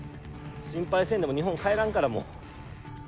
心配せんでも日本帰らんから、もう。